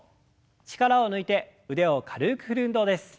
力を抜いて腕を軽く振る運動です。